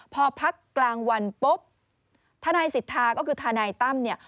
พอพักกลางวันปุ๊บทนายสิทธาก็คือทนายตั้มเนี่ย